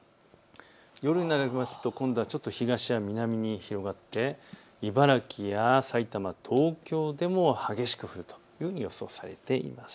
夜になると今度は東や南に広がって茨城や埼玉、東京でも激しく降ると予想されています。